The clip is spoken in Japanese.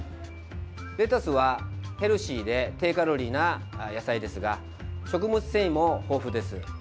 レタスはヘルシーで低カロリーな野菜ですが食物繊維も豊富です。